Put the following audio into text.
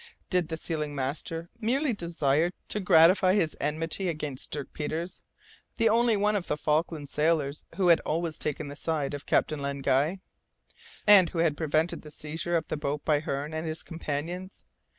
Did the sealing master merely desire to gratify his enmity against Dirk Peters, the only one of the Falkland sailors who had always taken the side of Captain Len Guy, and who had prevented the seizure of the boat by Hearne and his companions?